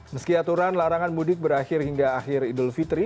meski aturan larangan mudik berakhir hingga akhir idul fitri